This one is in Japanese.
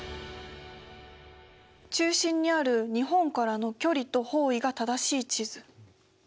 中心にある日本からの距離と方位が正しい地図。